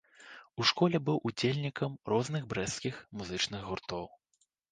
У школе быў удзельнікам розных брэсцкіх музычных гуртоў.